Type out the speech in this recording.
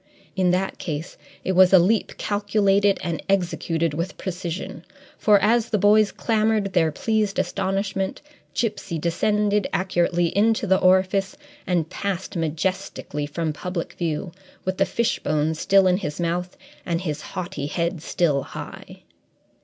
In that case, it was a leap calculated and executed with precision, for as the boys clamoured their pleased astonishment, Gipsy descended accurately into the orifice and passed majestically from public view, with the fishbone still in his mouth and his haughty head still high.